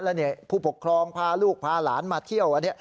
แล้วเนี่ยผู้ปกครองพาลูกพาหลานมาเที่ยว